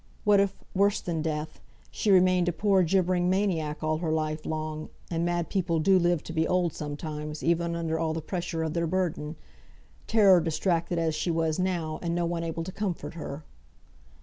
What if (worse than death) she remained a poor gibbering maniac all her life long (and mad people do live to be old sometimes, even under all the pressure of their burden), terror distracted as she was now, and no one able to comfort her!